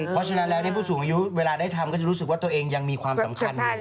เพราะฉะนั้นแล้วผู้สูงอายุเวลาได้ทำก็จะรู้สึกว่าตัวเองยังมีความสำคัญ